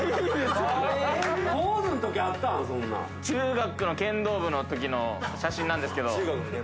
中学の剣道部のときの写真なんですけど。